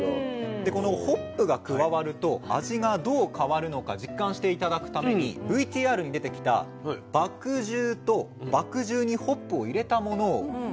でこのホップが加わると味がどう変わるのか実感して頂くためにＶＴＲに出てきた「麦汁」と「麦汁にホップを入れたもの」を用意しました。